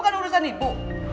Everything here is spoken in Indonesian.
itu kan bukan urusan ibu